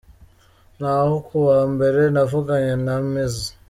Naho kuwa mbere navuganye na Mzee.